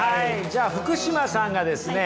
じゃあ福島さんがですね